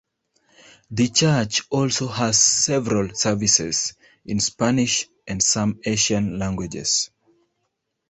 The church also has several services in Spanish and some Asian languages.